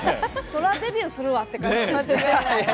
そらデビューするわって感じしますね。